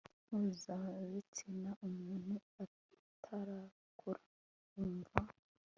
mpuzabitsina umuntu atarakura mwumva